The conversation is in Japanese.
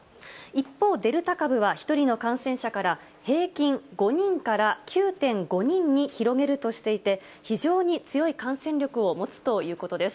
一方、デルタ株は１人の感染者から平均５人から９．５人に広げるとしていて、非常に強い感染力を持つということです。